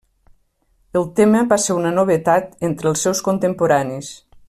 El tema va ser una novetat entre els seus contemporanis.